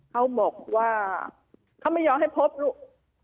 เขาบอกว่าเขาไม่ยอมให้พบลูก